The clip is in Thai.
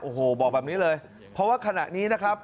โอ้โหบอกแบบนี้เลยเพราะว่าขณะนี้นะครับ